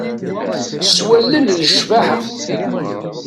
S wallen n ccbaḥa.